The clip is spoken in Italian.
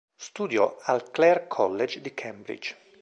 Studiò al Clare College di Cambridge.